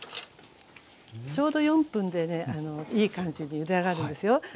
ちょうど４分でねいい感じにゆで上がるんですよ。